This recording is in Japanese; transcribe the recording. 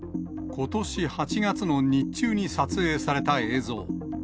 ことし８月の日中に撮影された映像。